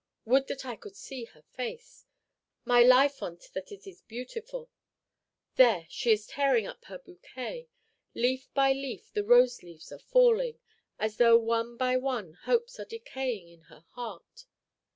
Would that I could see her face! My life on't that it is beautiful! There, she is tearing up her bouquet; leaf by leaf the rose leaves are falling, as though one by one hopes are decaying in her heart."